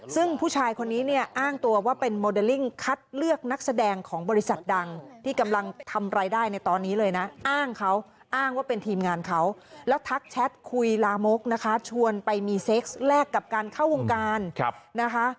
ซึ่งผู้ชายคนนี้เนี่ยอ้างตัวว่าเป็นโมเดลลิ่งคัดเลือกนักแสดงของบริษัทดังที่กำลังทำรายได้ในตอนนี้เลยนะอ้างเขาอ้างว่าเป็นทีมงานเขาแล้วทักแชทคุยลามกนะคะชวนไปมีเซ็กซ์แลกกับการเข้าวงการนะคะ